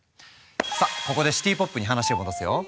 さあここでシティ・ポップに話を戻すよ。